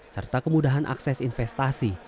serta kemudahan akses investasi